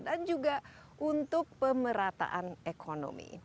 dan juga untuk pemerataan ekonomi